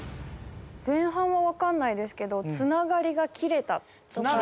前半はわからないですけど「つながりがきれた」。